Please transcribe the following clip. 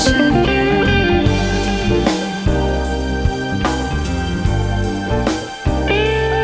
สิ่งนี้